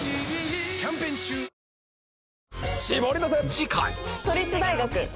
次回都立大学。